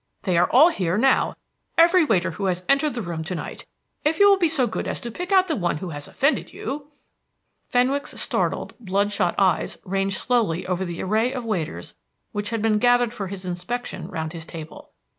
They are all here now, every waiter who has entered the room to night. If you will be so good as to pick out the one who has offended you " Fenwick's startled, bloodshot eyes ranged slowly over the array of waiters which had been gathered for his inspection round his table.